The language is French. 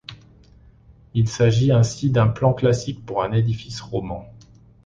Il s'agit ainsi d'un plan classique pour un édifice roman.